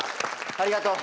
ありがとう。